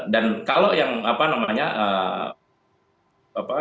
dan kalau yang apa namanya